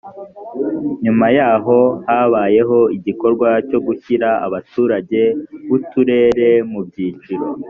nyuma y’aho habayeho igikorwa cyo gushyira abaturage b’uturere mu byiciro